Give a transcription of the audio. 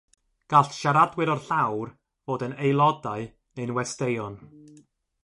Gall siaradwyr o'r llawr fod yn aelodau neu'n westeion.